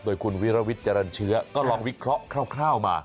โดยคุณวิรวิทย์เจริญเชื้อก็ลองวิเคราะห์คร่าวมา